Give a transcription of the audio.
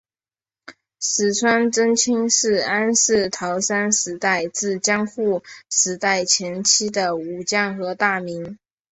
石川贞清是安土桃山时代至江户时代前期的武将和大名。